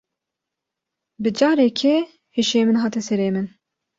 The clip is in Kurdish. Bi carekê hişê min hate serê min.